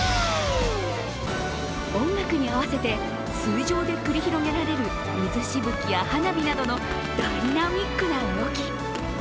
音楽に合わせて水上で繰り広げられる水しぶきや花火などダイナミックな動き。